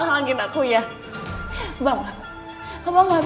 orang yang selama ini n runtuk